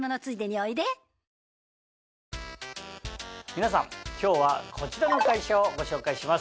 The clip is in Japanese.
皆さん今日はこちらの会社をご紹介します。